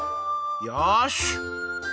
よし！